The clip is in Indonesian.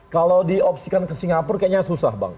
kalau diopsikan ke singapura kayaknya susah bang